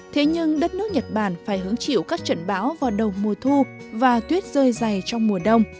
thế nhưng đất nước nhật bản phải hứng chịu các trận bão vào đầu mùa thu và tuyết rơi dày trong mùa đông